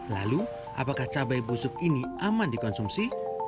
lalu apakah cabai busuk ini aman dikonsumsi